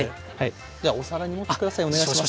ではお皿に盛って下さいお願いします。